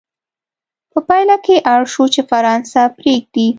په پایله کې اړ شو چې فرانسه پرېږدي.